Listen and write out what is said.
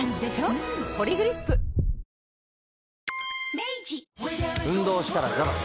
明治運動したらザバス。